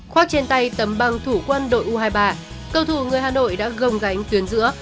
khoác trên tay tấm băng thủ quân đội u hai mươi ba cầu thủ người hà nội đã gồng gánh tuyến giữa